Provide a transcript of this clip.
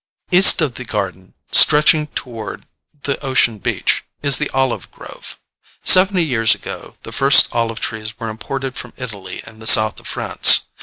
East of the garden, stretching toward the ocean beach, is the olive grove. Seventy years ago the first olive trees were imported from Italy and the south of France.